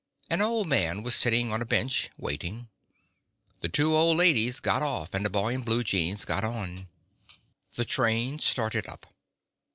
An old man was sitting on a bench, waiting. The two old ladies got off and a boy in blue jeans got on. The train started up.